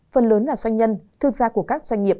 phần lớn là doanh nhân thương gia của các doanh nghiệp